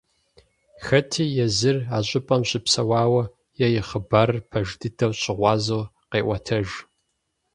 Хэти езыр а щӀыпӀэм щыпсэуауэ е и хъыбарым пэж дыдэу щыгъуазэу къеӀуэтэж.